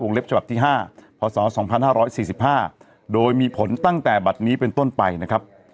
เล็บฉบับที่๕พศ๒๕๔๕โดยมีผลตั้งแต่บัตรนี้เป็นต้นไปนะครับ